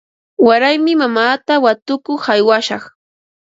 Waraymi mamaata watukuq aywashaq.